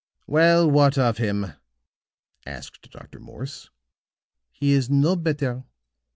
"Well, what of him?" asked Dr. Morse. "He is no better.